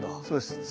そうです。